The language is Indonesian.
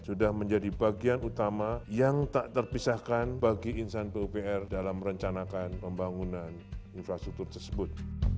sudah menjadi bagian utama yang tak terpisahkan bagi insan pupr dalam merencanakan pembangunan infrastruktur tersebut